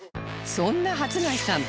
そんな初谷さん